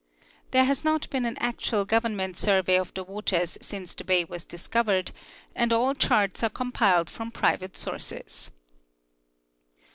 There has not been an actual government survey of the Avaters since the bay was discovered, and all charts are compiled from private sources.